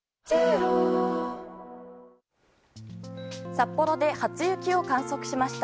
札幌で初雪を観測しました。